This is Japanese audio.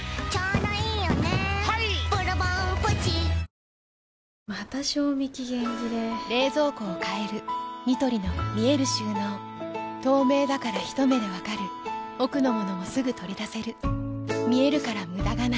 目標としている ４０％ を超えた試合はまた賞味期限切れ冷蔵庫を変えるニトリの見える収納透明だからひと目で分かる奥の物もすぐ取り出せる見えるから無駄がないよし。